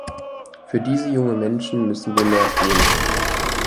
Für diese jungen Menschen müssen wir mehr tun.